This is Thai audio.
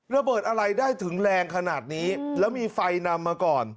ระเบิดอะไรได้ถึงแรงขนาดนี้แล้วมีไฟนำมาก่อน